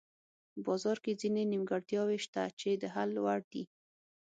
بازار کې ځینې نیمګړتیاوې شته چې د حل وړ دي.